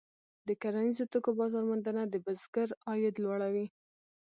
د کرنیزو توکو بازار موندنه د بزګر عاید لوړوي.